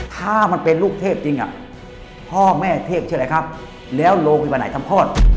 ถ้ามันเป็นลูกเทพจริงพ่อแม่เทพชื่ออะไรครับแล้วโรงพยาบาลไหนทำคลอด